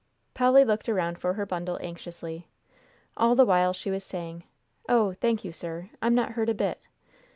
Polly looked around for her bundle, anxiously. All the while she was saying, "Oh, thank you, sir. I'm not hurt a bit."